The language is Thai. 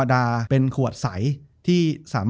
จบการโรงแรมจบการโรงแรม